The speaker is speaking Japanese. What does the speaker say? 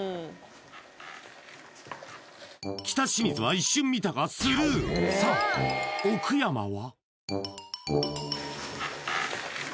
北清水は一瞬見たがスルーさあ奥山は？